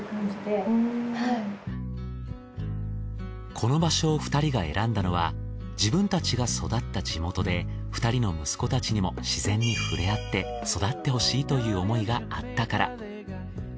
この場所を２人が選んだのは自分たちが育った地元で２人の息子たちにも自然に触れ合って育ってほしいという思いがあったから。